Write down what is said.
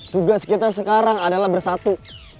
tugas kita sekarang adalah bersatu